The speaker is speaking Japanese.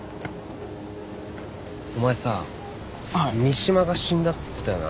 お前さ三島が死んだって言ってたよな。